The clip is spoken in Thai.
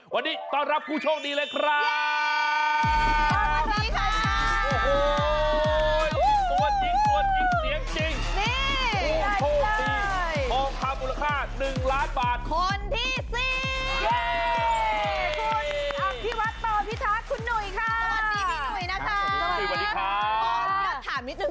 วันนี้ต้อนรับผู้โชคดีเลยครับ